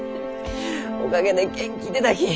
おかげで元気出たき。